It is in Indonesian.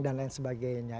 dan lain sebagainya